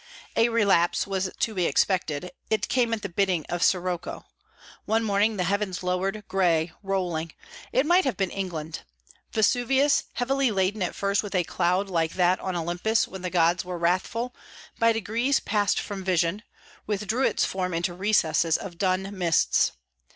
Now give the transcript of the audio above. A relapse was to be expected; it came at the bidding of sirocco. One morning the heavens lowered, grey, rolling; it might have been England. Vesuvius, heavily laden at first with a cloud like that on Olympus when the gods are wrathful, by degrees passed from vision, withdrew its form into recesses of dun mists.